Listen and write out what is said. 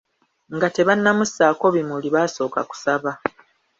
Nga tebannamussaako bimuli, baasooka kusaba.